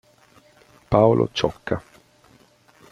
Paolo Ciocca.